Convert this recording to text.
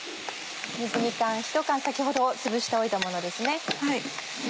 水煮缶ひと缶先ほどつぶしておいたものですね。